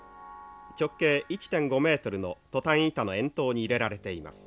直径１．５メートルのトタン板の円筒に入れられています。